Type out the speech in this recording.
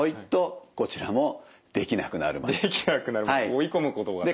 追い込むことが大事。